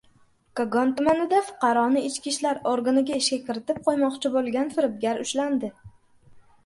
Kogon tumanida fuqaroni ichki ishlar organiga ishga kiritib qo‘ymoqchi bo‘lgan firibgar ushlandi